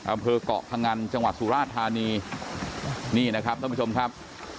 อำเภอกเกาะพงันจังหวัดสุราธานีนี่นะครับท่านผู้ชมครับ